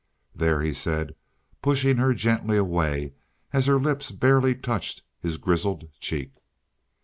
"There," he said, pushing her gently away, as her lips barely touched his grizzled cheek.